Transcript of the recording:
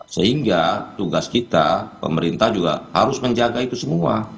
sehingga tugas kita pemerintah juga harus menjaga itu semua